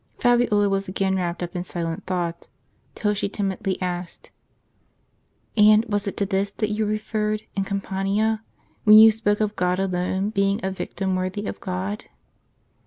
Fabiola was again wrapped up in silent thought, till she timidly asked :" And was it to this that you referred in Campania, when you spoke of God alone being a victim worthy of God